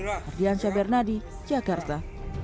ardian syabernadi jakarta